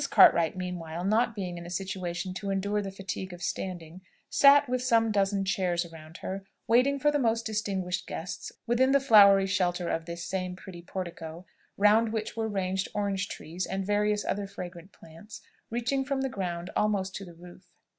Cartwright, meanwhile, not being in a situation to endure the fatigue of standing, sat with some dozen chairs around her, waiting for the most distinguished guests, within the flowery shelter of this same pretty portico, round which were ranged orange trees, and various other fragrant plants, reaching from the ground almost to the roof.